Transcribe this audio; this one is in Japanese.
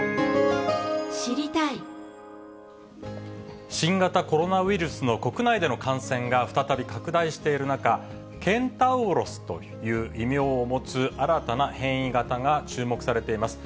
ＢＡ．２．７５が２例、新型コロナウイルスの国内での感染が再び拡大している中、ケンタウロスという異名を持つ新たな変異型が注目されています。